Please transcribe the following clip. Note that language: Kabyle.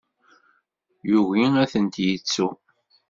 Yugi ad tent-yettu.